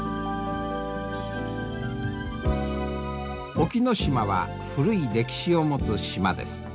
隠岐島は古い歴史を持つ島です。